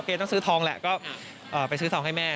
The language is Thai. ต้องซื้อทองแหละก็ไปซื้อทองให้แม่